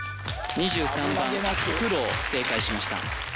２３番正解しました